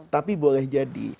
tapi boleh jadi